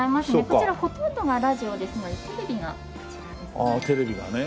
こちらほとんどがラジオですのでテレビがこちらですね。